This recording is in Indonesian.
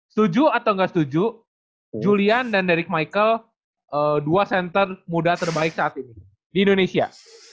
setuju atau nggak setuju julian dan deric michael dua center muda terbaik saat ini di indonesia